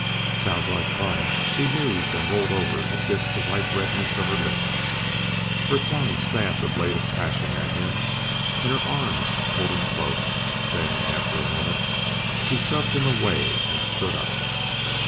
"Sounds like fun," he mused and rolled over to kiss the ripe redness of her lips. Her tongue stabbed a blade of passion at him and her arms pulled him close; then, after a moment, she shoved him away and stood up.